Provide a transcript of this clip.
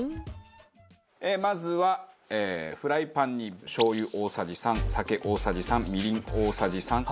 まずはフライパンにしょう油大さじ３酒大さじ３みりん大さじ３。